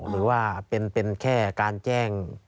หรือว่าเป็นแค่การแจ้ง